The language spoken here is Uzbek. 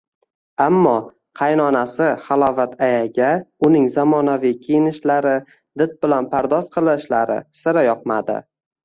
Ammo… Qaynonasi Halovat ayaga uning zamonaviy kiyinishlari, did bilan pardoz qilishlari sira yoqmadi